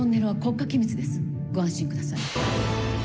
ご安心ください